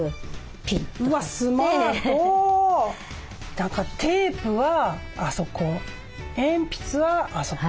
何かテープはあそこ鉛筆はあそこ。